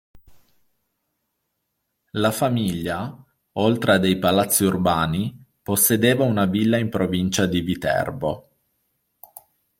La famiglia, oltre a dei palazzi urbani, possedeva una villa in provincia di Viterbo.